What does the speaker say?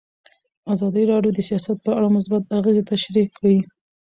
ازادي راډیو د سیاست په اړه مثبت اغېزې تشریح کړي.